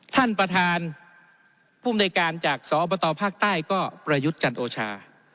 ท่านประธานภูมิในการจากสอบตภาคใต้ก็ประยุทธ์จันโอชา